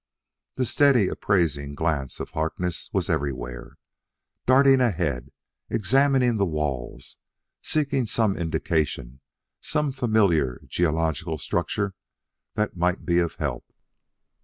The steady, appraising glance of Harkness was everywhere darting ahead, examining the walls, seeking some indication, some familiar geological structure, that might be of help.